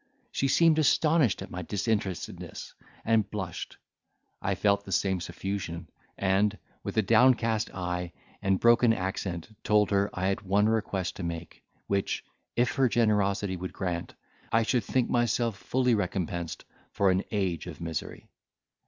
She seemed astonished at my disinterestedness, and blushed: I felt the same suffusion, and, with a downcast eye and broken accent, told her I had one request to make, which, if her generosity would grant, I should think myself fully recompensed, for an age of misery.